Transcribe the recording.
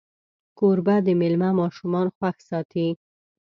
کوربه د میلمه ماشومان خوښ ساتي.